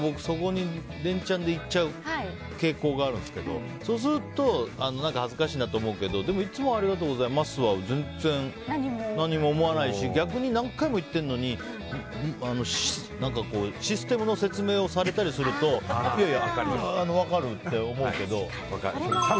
はまると、そこにレンチャンで行っちゃう傾向があるんですけどそうすると恥ずかしいと思うけどいつもありがとうございますは何も思わないし逆に、何回も行ってるのにシステムの説明をされたりすると分かるって思うけど。